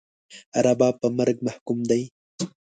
رباب په مرګ محکوم دی